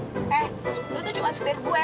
eh lo tuh juga supir gue